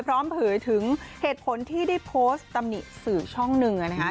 เผยถึงเหตุผลที่ได้โพสต์ตำหนิสื่อช่องหนึ่งนะคะ